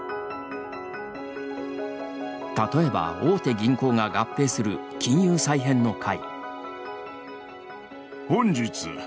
例えば大手銀行が合併する金融再編の回。